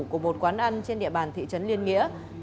của một quán ăn trên địa bàn thị trấn liên nghĩa đâm nhiều nhát vào